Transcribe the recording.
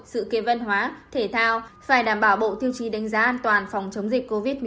sự kiện văn hóa thể thao phải đảm bảo bộ tiêu chí đánh giá an toàn phòng chống dịch covid một mươi chín